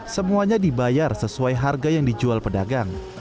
semuanya dibayar sesuai harga yang dijual pedagang